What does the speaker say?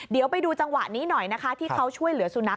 เดี๋ยวไปดูจังหวะนี้หน่อยนะคะที่เขาช่วยเหลือสุนัข